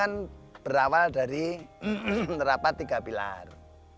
kan berawal dari rapat tiga pilar